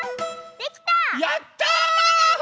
できた！